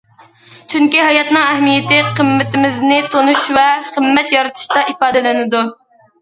چۈنكى ھاياتنىڭ ئەھمىيىتى قىممىتىمىزنى تونۇش ۋە قىممەت يارىتىشتا ئىپادىلىنىدۇ.